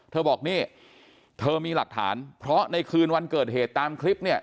บอกนี่เธอมีหลักฐานเพราะในคืนวันเกิดเหตุตามคลิปเนี่ย